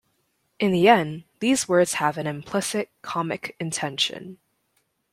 In the end, these words have an implicit comic intention.